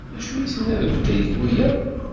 D acu ay tenniḍ deg wetriku-a?